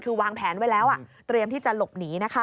คือวางแผนไว้แล้วเตรียมที่จะหลบหนีนะคะ